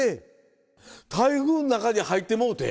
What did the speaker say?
台風の中に入ってもうて？